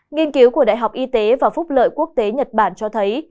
nghiên cứu của đại học y tế và phúc lợi quốc tế nhật bản cho thấy